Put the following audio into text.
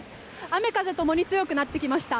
雨風共に強くなってきました。